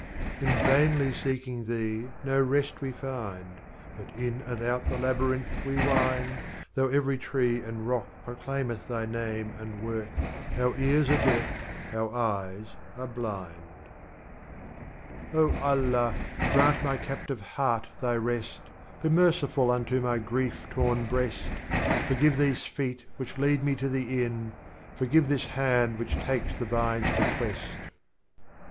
In vainly seeking Thee no Rest wc find, But in and ont the Labyrinth wc wind Though every Tree and Rocli proclaimeth Thy Name And Work, our Ears are Deaf, our Eyes are blind. Oh Allah, grant my Captive Heart Thy Rest, Be merciful unto my grief torn Breast, Forgive these Feet which lead me to the Inn, Forgive this Hand which takes the Vine's Bequest.'